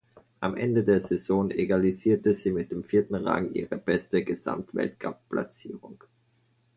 Am Ende der Saison egalisierte sie mit dem vierten Rang ihre beste Gesamtweltcup-Platzierung.